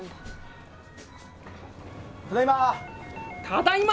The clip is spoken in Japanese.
ただいま。